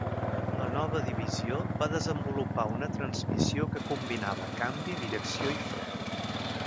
La nova divisió va desenvolupar una transmissió que combinava canvi, direcció i fre.